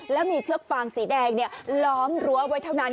แล้วมีเชือกฟางสีแดงล้อมรั้วไว้เท่านั้น